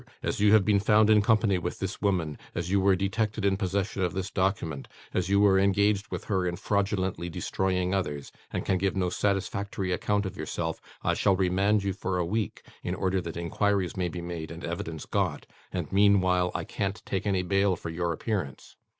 As you have been found in company with this woman; as you were detected in possession of this document; as you were engaged with her in fraudulently destroying others, and can give no satisfactory account of yourself; I shall remand you for a week, in order that inquiries may be made, and evidence got. And meanwhile I can't take any bail for your appearance."